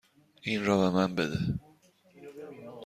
این را به من بده.